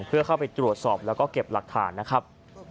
เพื่อเข้าไปตรวจสอบแล้วก็เก็บหลักฐานนะครับ